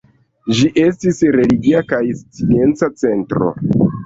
Ĝi estis religia kaj scienca centro.